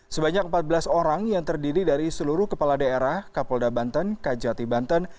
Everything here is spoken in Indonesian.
sebanyak empat belas orang yang terdiri dari seluruh kepala daerah kapolda banten kajati banten